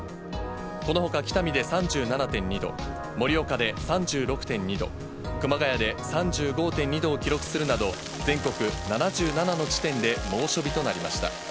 このほか北見で３７．２度、盛岡で３６．２度、熊谷で３５．２度を記録するなど、全国７７の地点で猛暑日となりました。